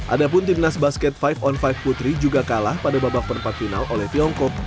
ada pun timnas basket lima on lima putri juga kalah pada babak perempat final oleh tiongkok